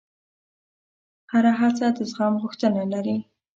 هره هڅه د زغم غوښتنه لري.